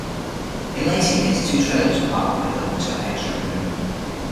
In later years, two trailers were parked near the building to add extra room.